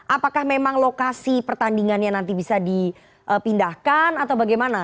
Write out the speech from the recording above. apakah memang lokasi pertandingannya nanti bisa dipindahkan atau bagaimana